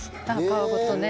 皮ごとね。